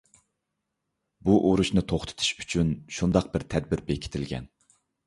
بۇ ئۇرۇشنى توختىتىش ئۈچۈن شۇنداق بىر تەدبىر بېكىتىلگەن.